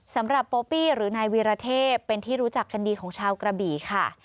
สำหรับโปปี้หรือนายวีรเทพเป็นที่รู้จักกันดีของชาวกระบี่ค่ะ